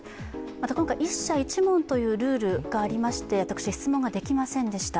また、今回、１社１問というルールがあって私、質問ができませんでした。